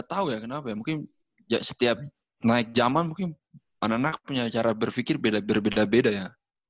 ga tau ya kenapa ya mungkin setiap naik jaman mungkin anak anak punya cara berpikir beda beda ya